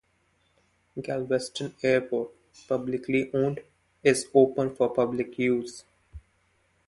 Galveston Airport, publicly owned, is open for public use.